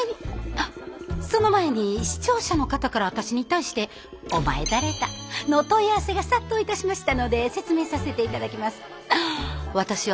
あっその前に視聴者の方から私に対して「お前誰だ」の問い合わせが殺到いたしましたので説明させて頂きます。